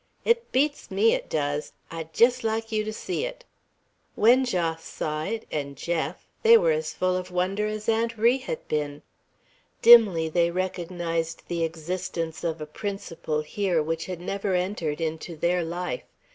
It beats me, it does. I'd jest like you to see it." And when Jos saw it, and Jeff, they were as full of wonder as Aunt Ri had been. Dimly they recognized the existence of a principle here which had never entered into their life.